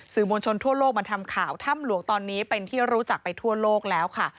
มวลชนทั่วโลกมาทำข่าวถ้ำหลวงตอนนี้เป็นที่รู้จักไปทั่วโลกแล้วค่ะ